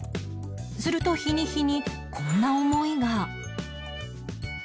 すると日に日にこんな思いが